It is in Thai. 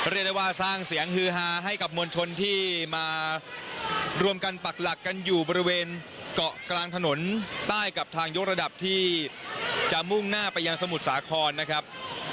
เรียกได้ว่าสร้างเสียงฮือฮาให้กับมวลชนที่มารวมกันปักหลักกันอยู่บริเวณเกาะกลางถนนใต้กับทางยกระดับที่จะมุ่งหน้าไปยังสมุทรสาครนะครับ